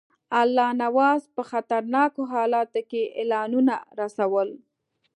الله نواز په خطرناکو حالاتو کې اعلانونه رسول.